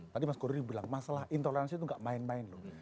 tadi mas kurni bilang masalah intoleransi itu gak main main loh